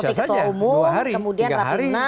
bisa saja dua hari tiga hari